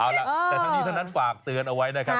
เอาล่ะแต่ทั้งนี้ทั้งนั้นฝากเตือนเอาไว้นะครับ